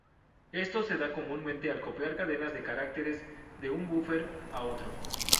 Esto se da comúnmente al copiar cadenas de caracteres de un búfer a otro.